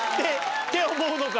って思うのか？